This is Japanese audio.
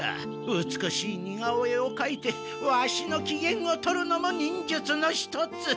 美しい似顔絵をかいてワシのきげんをとるのも忍術の一つ。